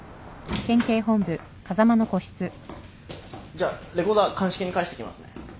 じゃあレコーダー鑑識に返してきますね。